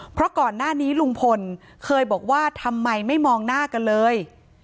เพราะก่อนหน้านี้ลุงพลเคยบอกว่าทำไมไม่มองหน้ากันเลย